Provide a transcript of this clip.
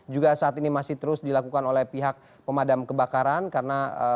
juga saat ini masih terus dilakukan oleh pihak pemadam kebakaran karena